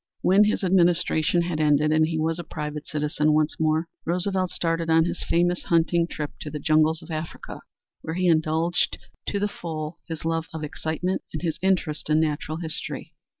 When his administration had ended and he was a private citizen once more, Roosevelt started on his famous hunting trip to the jungles of Africa, where he indulged to the full his love of excitement and his interest in natural history.